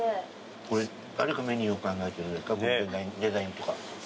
これ誰がメニューを考えてるんですかデザインとか。